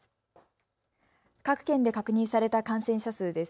各県で確認された感染者数です。